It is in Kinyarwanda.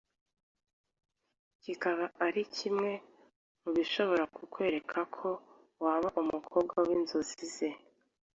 kikaba ari kimwe mu bishobora kukwereka ko waba umukobwa w’inzozi ze